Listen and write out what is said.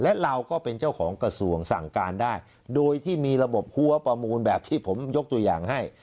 และเราก็เป็นเจ้าของกระทรวงสั่งการได้โดยที่มีระบบหัวประมูลแบบที่ผมยกตัวอย่างให้